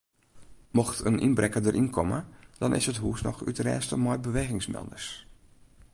Mocht in ynbrekker deryn komme dan is it hûs noch útrêste mei bewegingsmelders.